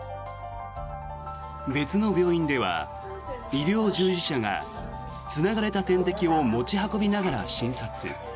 別の病院では、医療従事者がつながれた点滴を持ち運びながら診察。